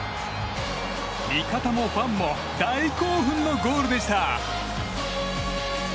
味方もファンも大興奮のゴールでした！